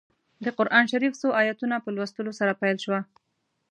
د قران شریف څو ایتونو په لوستلو سره پیل شوه.